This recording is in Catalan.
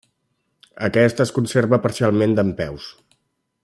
Aquest es conserva parcialment dempeus.